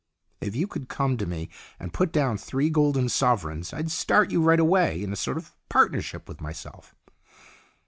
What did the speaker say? If you could come to me and put down three golden sovereigns, I'd start you right away, in a sort of partnership with myself."